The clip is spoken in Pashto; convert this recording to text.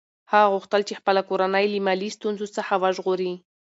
هغه غوښتل چې خپله کورنۍ له مالي ستونزو څخه وژغوري.